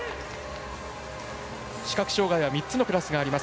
視覚障がいは３つのクラスがあります